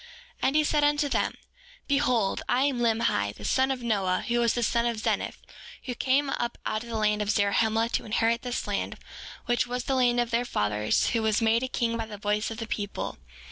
7:9 And he said unto them: Behold, I am Limhi, the son of Noah, who was the son of Zeniff, who came up out of the land of Zarahemla to inherit this land, which was the land of their fathers, who was made a king by the voice of the people.